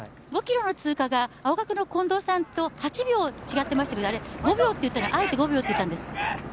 ５ｋｍの通過が青学の近藤さんと８秒違ってましたが５秒と言ったのはあえて５秒と言ったんですか？